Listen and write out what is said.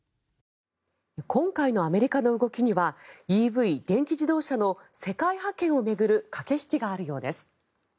今回のアメリカの動きにはＥＶ・電気自動車の世界覇権を巡る駆け引きがあるようです。